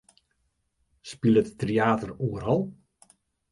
Spilet Tryater oeral?